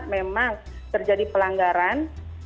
memang terjadi pelanggaran